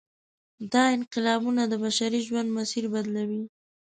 دا انقلابونه د بشري ژوند مسیر بدلوي.